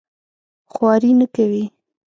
خواري نه کوي.